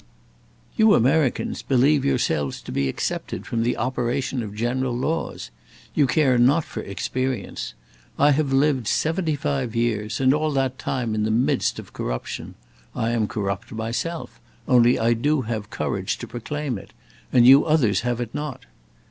You Americans believe yourselves to be excepted from the operation of general laws. You care not for experience. I have lived seventy five years, and all that time in the midst of corruption. I am corrupt myself, only I do have courage to proclaim it, and you others have it not.